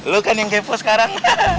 lo kan yang kepo sekarang